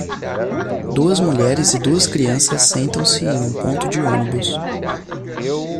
Duas mulheres e duas crianças sentam-se em um ponto de ônibus.